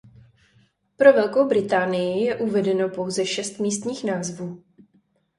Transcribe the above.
Pro Velkou Británii je uvedeno pouze šest místních názvů.